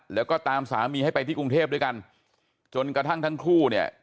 แล้วก็ตามสามีให้ไปที่กรุงเทพด้วยกันจนกระทั่งทั้งคู่เนี่ย